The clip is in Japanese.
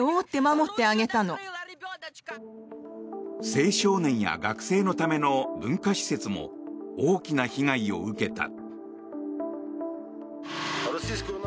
青少年や学生のための文化施設も大きな被害を受けた。